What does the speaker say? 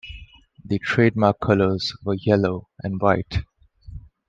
Their trademark colors were yellow and white.